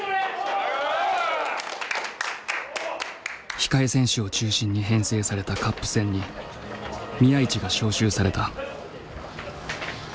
控え選手を中心に編成されたカップ戦に宮市が招集された。